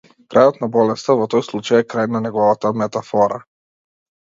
Крајот на болеста во тој случај е крај на неговата метафора.